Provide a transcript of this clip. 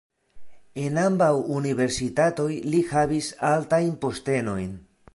En ambaŭ universitatoj li havis altajn postenojn.